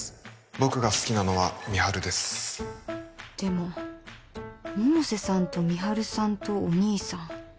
僕が好きなのは美晴ですでも百瀬さんと美晴さんとお義兄さん